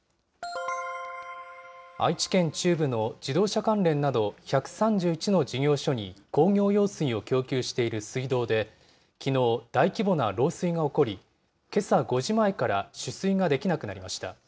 愛知県中部の自動車関連など１３１の事業所に工業用水を供給している水道で、きのう、大規模な漏水が起こり、けさ５時前から取水ができなくなりました。